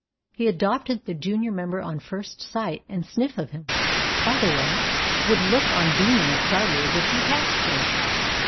He adopted the junior member on first sight and sniff of him, by the way; would look on beaming as proudly as if he'd hatched him.